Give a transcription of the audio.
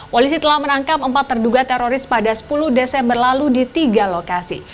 polisi telah menangkap empat terduga teroris pada sepuluh desember lalu di tiga lokasi